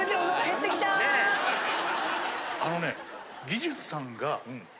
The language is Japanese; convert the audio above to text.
あのね。